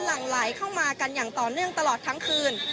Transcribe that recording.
หลังไหลเข้ามากันอย่างต่อเนื่องตลอดทั้งคืน